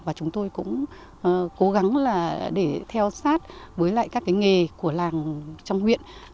và chúng tôi cũng cố gắng để theo sát với lại các nghề của làng trong huyện